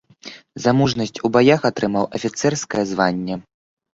За мужнасць у баях атрымаў афіцэрскае званне.